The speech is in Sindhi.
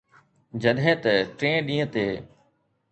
جڏهن ته ٽئين ڏينهن تي